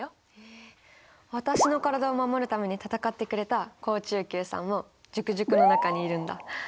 私の体を守るために戦ってくれた好中球さんもジュクジュクの中にいるんだ。